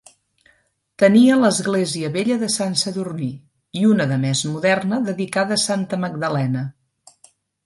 Tenia l'església vella de Sant Sadurní i una de més moderna dedicada a Santa Magdalena.